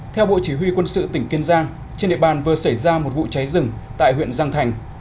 theo bộ chỉ huy quân sự tỉnh kiên giang trên địa bàn vừa xảy ra một vụ cháy rừng tại huyện giang thành